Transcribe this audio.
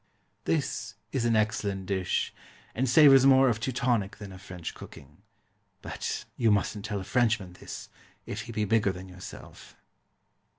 This is an excellent dish, and savours more of Teutonic than of French cooking. But you mustn't tell a Frenchman this, if he be bigger than yourself.